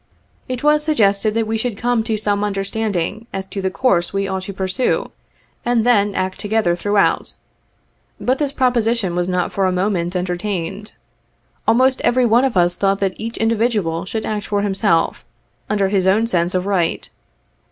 It was suggested that we 3 1C should come to some understanding as to the course we ought to pursue, and then act together throughout ; but this proposition was not for a moment entertained. Almost every one of us thought that each individual should act for himself, under his own sense of right.